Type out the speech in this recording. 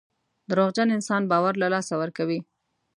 دروغجن انسان باور له لاسه ورکوي.